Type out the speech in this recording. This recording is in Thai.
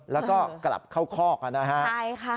แล้วก็กลับเข้าคอกนะฮะใช่ค่ะ